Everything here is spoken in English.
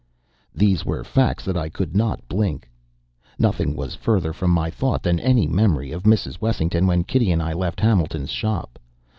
These were facts that I could not blink. Nothing was further from my thought than any memory of Mrs. Wessington when Kitty and I left Hamilton's shop.